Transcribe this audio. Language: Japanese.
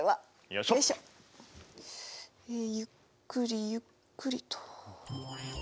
ゆっくりゆっくりと。